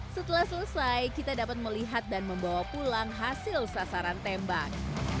setelah selesai kita dapat melihat dan membawa pulang hasil sasaran tembak